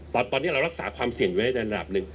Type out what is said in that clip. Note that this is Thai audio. ตอนนี้เรารักษาความเสี่ยงไว้ในระดับหนึ่ง